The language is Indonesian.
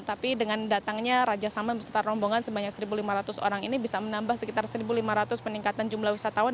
tapi dengan datangnya raja salman beserta rombongan sebanyak satu lima ratus orang ini bisa menambah sekitar satu lima ratus peningkatan jumlah wisatawan